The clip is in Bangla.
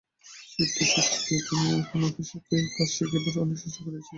শিবতোষকে তিনি আপন আপিসে কাজ শিখাইবার অনেক চেষ্টা করিয়াছিলেন।